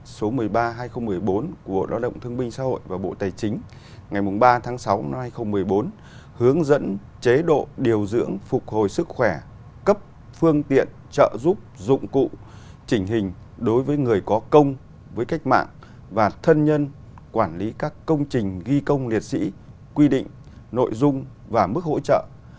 ngoại trưởng bộ tài chính của bộ tài chính nghị định số ba mươi một hai nghìn một mươi bốn của đoàn đồng thương minh xã hội và bộ tài chính ngày ba tháng sáu hai nghìn một mươi bốn hướng dẫn chế độ điều dưỡng phục hồi sức khỏe cấp phương tiện trợ giúp dụng cụ chỉnh hình đối với người có công với cách mạng và thân nhân quản lý các công trình ghi công liệt sĩ quy định nội dung và mức hỗ trợ